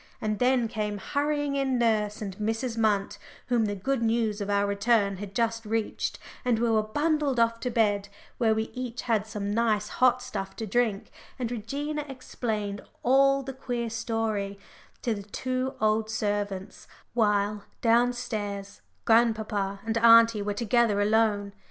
And then came hurrying in nurse and Mrs. Munt, whom the good news of our return had just reached, and we were bundled off to bed, where we each had some nice hot stuff to drink, and Regina explained all the queer story to the two old servants, while down stairs grandpapa and auntie were together alone.